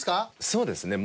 そうですね。